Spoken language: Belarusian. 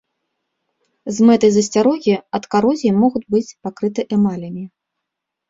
З мэтай засцярогі ад карозіі могуць быць пакрыты эмалямі.